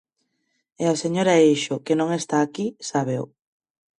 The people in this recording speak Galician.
E a señora Eixo, que non está aquí, sábeo.